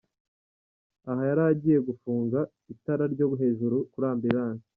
Aha yari agiye gufunga itara ryo hejuru kuri Ambulance.